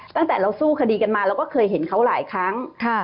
ตั้งแต่เราสู้คดีกันมาเราก็เคยเห็นเขาหลายครั้ง